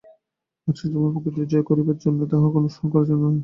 মানুষের জন্ম প্রকৃতিকে জয় করিবার জন্যই, তাহাকে অনুসরণ করার জন্য নয়।